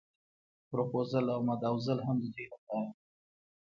پروپوزل او ماداوزل هم د دوی لپاره.